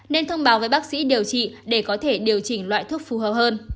nên thông báo với bác sĩ điều trị để có thể điều chỉnh loại thuốc phù hợp hơn